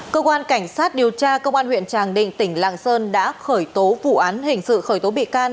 cơ quan cảnh sát điều tra công an huyện tràng định tỉnh lạng sơn đã khởi tố vụ án hình sự khởi tố bị can